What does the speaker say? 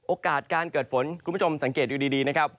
โอกาสการเกิดฝนคุณผู้ชมสังเกตดูดีนะครับ